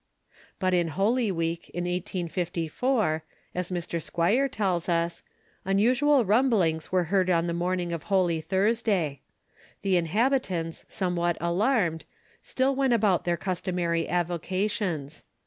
But in Holy Week, in 1854, as Mr. Squier tells us, unusual rumblings were heard on the morning of Holy Thursday. The inhabitants, somewhat alarmed, still went about their customary avocations.